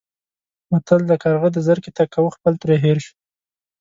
متل دی: کارغه د زرکې تګ کاوه خپل ترې هېر شو.